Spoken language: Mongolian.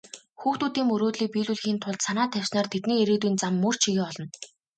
Хүүхдүүдийн мөрөөдлийг биелүүлэхийн тулд санаа тавьснаар тэдний ирээдүйн зам мөр чигээ олно.